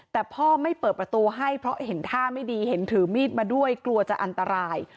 แต่พ่อไม่เปิดประตูให้เพราะเห็นท่าไม่ดีเห็นถือมีดมาด้วยกลัวจะอันตราย